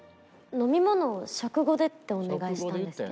飲み物食後でってお願いしたんですけど。